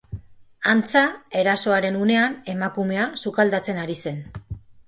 Antza, erasoaren unean emakumea sukaldatzen ari zen.